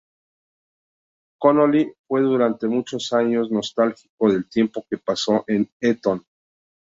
Connolly fue durante muchos años nostálgico del tiempo que pasó en Eton.